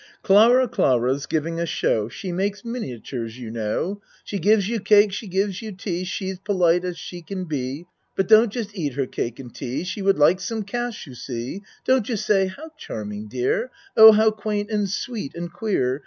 Clara, Clara's giving a show, She makes miniatures, you know; She gives you cake, she gives you tea, She's polite as she can be. But don't just eat her cake and tea, She would like some cash you see. Don't say just "How charming dear. Oh, how quaint and sweet and queer!"